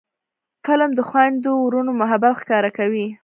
فلم د خویندو ورونو محبت ښکاره کوي